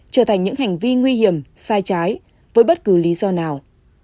trở thành những hành vi nguy hiểm sai trái với bất cứ lý do nào